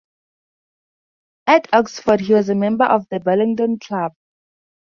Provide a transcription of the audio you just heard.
At Oxford he was a member of the Bullingdon Club.